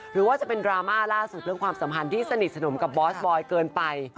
หรือว่าจะเป็นดราม่าล่าสุดเรื่องความสัมพันธ์ที่สนิทสนมกับบอสบอยเกินไป